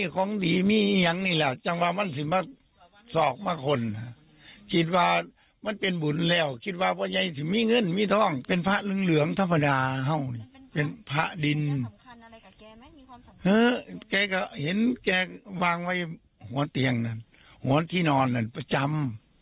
แกจะเห็นแกนั่งให้วางวนเตียงที่นอนประจำ